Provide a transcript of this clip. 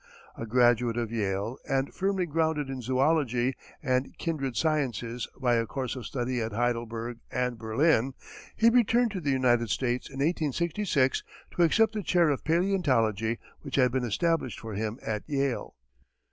A graduate of Yale and firmly grounded in zoology and kindred sciences by a course of study at Heidelberg and Berlin, he returned to the United States in 1866 to accept the chair of paleontology which had been established for him at Yale.